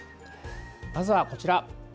まずは、こちら。